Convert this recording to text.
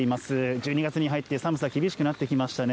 １２月に入って寒さ厳しくなってきましたね。